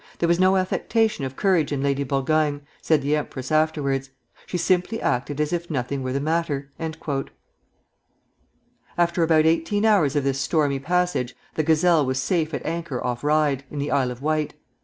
"There was no affectation of courage in Lady Burgoyne," said the empress afterwards; "she simply acted as if nothing were the matter." After about eighteen hours of this stormy passage the "Gazelle" was safe at anchor off Ryde, in the Isle of Wight.